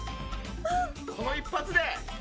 この１発で！